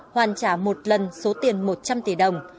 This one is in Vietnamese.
hoàn trả một lần số tiền một trăm linh tỷ đồng